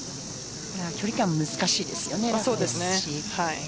距離感が難しいですよね。